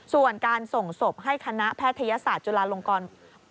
ส่วนการส่งศพให้คณะแพทยศาสตร์จุฬาลงกร